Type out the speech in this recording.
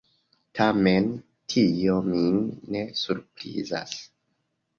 Tamen tio min ne surprizas.